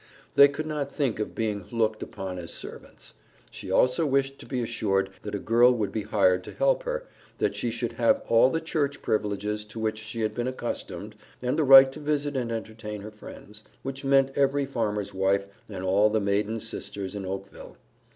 They could not think of being looked upon as servants. She also wished to be assured that a girl would be hired to help her, that she should have all the church privileges to which she had been accustomed and the right to visit and entertain her friends, which meant every farmer's wife and all the maiden sisters in Oakville.